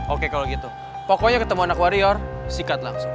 oke kalau gitu pokoknya ketemu anak warrior sikat langsung